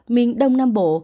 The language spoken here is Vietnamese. miền đông nam bộ